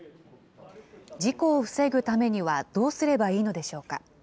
事故を防ぐためにはどうすればいいのでしょうか。